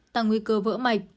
tăng nguy cơ vỡ mạch